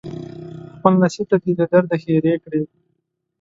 خپل نصیب ته دې له درده ښیرې کړي